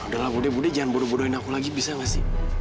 udah lah budde budde jangan bodoh bodohin aku lagi bisa gak sih